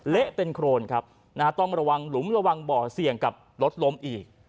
เละเป็นโครนครับนะฮะต้องระวังหลุมระวังบ่อเสี่ยงกับรถล้มอีก